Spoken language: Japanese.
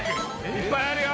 いっぱいあるよ